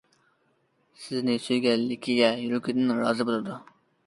سىزنى سۆيگەنلىكىگە يۈرىكىدىن رازى بولىدۇ.